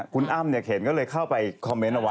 คุณอ้ำเข็นก็เลยเข้าไปคอมเมนต์เอาไว้